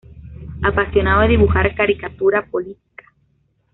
Apasionado de dibujar caricatura política.